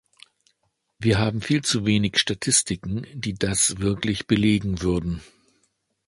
Wir haben viel zu wenig Statistiken, die das wirklich belegen würden.